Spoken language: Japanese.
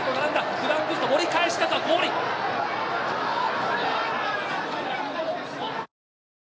グラングスト盛り返したかゴールイン！